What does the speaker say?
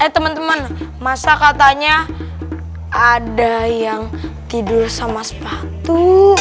eh teman teman masa katanya ada yang tidur sama sepatu